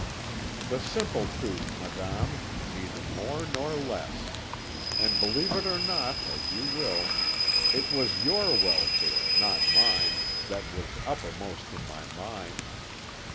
"'The simple truth, madame, neither more nor less; and believe it or not, as you will, it was your welfare, not mine, that was uppermost in my mind.